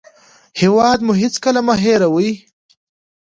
هېواد مو هېڅکله مه هېروئ